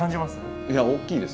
いや大きいです。